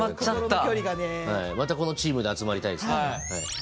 またこのチームで集まりたいですね。